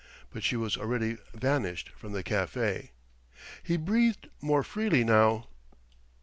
But she was already vanished from the café. He breathed more freely now.